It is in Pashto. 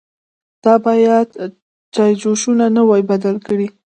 _تا بايد چايجوشه نه وای بدله کړې.